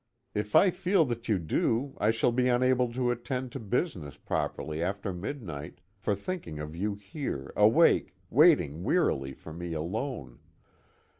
If I feel that you do, I shall be unable to attend to business properly after midnight, for thinking of you here, awake, waiting wearily for me, alone."